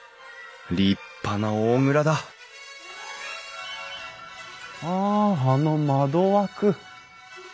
立派な大蔵だああの窓枠。